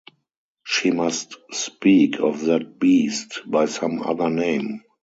She must speak of that beast by some other name.